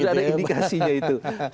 sudah ada indikasinya itu